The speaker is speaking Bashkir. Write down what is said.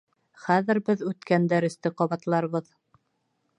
Хәҙер беҙ үткән дәресте ҡабатларбыҙ.